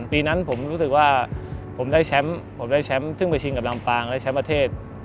ปีนั้นผมรู้สึกว่าผมได้แชมป์ผมได้แชมป์ซึ่งไปชิงกับลำปางและแชมป์ประเทศ